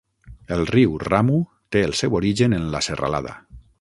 El riu Ramu té el seu origen en la serralada.